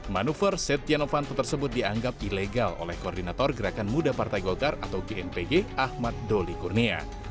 manuver setia novanto tersebut dianggap ilegal oleh koordinator gerakan muda partai golkar atau gnpg ahmad doli kurnia